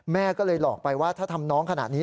แม่ก็เลยหลอกไปว่าถ้าทำน้องขนาดนี้